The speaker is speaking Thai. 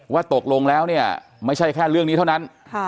ว่าตกลงแล้วเนี่ยไม่ใช่แค่เรื่องนี้เท่านั้น